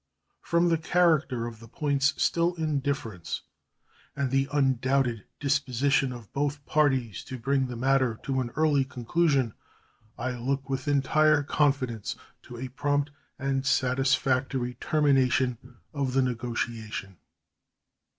From the character of the points still in difference and the undoubted disposition of both parties to bring the matter to an early conclusion, I look with entire confidence to a prompt and satisfactory termination of the negotiation.